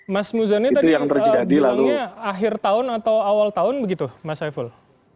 mas muzani tadi yang bilangnya akhir tahun atau awal tahun begitu mas saiful